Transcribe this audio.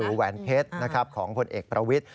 ร็วยก้าหนูแวนเพชรนะครับของผลเอกประวิต